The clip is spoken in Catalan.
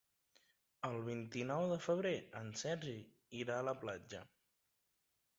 El vint-i-nou de febrer en Sergi irà a la platja.